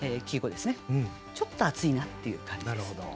ちょっと暑いなっていう感じです。